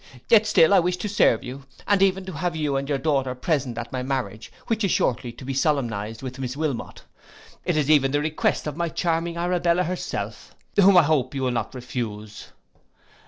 Yet still I could wish to serve you, and even to have you and your daughter present at my marriage, which is shortly to be solemnized with Miss Wilmot; it is even the request of my charming Arabella herself, whom I hope you will not refuse.